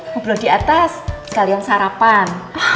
ngobrol di atas sekalian sarapan